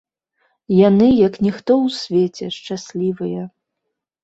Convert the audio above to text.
Яны, як ніхто ў свеце, шчаслівыя.